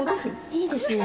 いいですね。